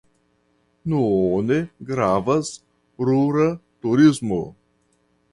Nune gravas rura turismo.